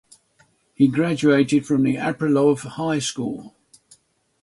He graduated from Aprilov High School.